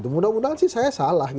mudah mudahan sih saya salah